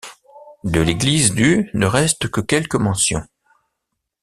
De l'église du ne restent que quelques mentions.